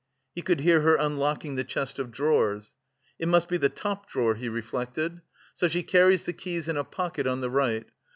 He could hear her unlocking the chest of drawers. "It must be the top drawer," he reflected. "So she carries the keys in a pocket on the right.